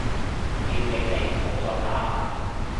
叫你哋唔好再打啊！